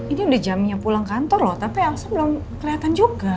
ini udah jamnya pulang kantor loh tapi langsung belum kelihatan juga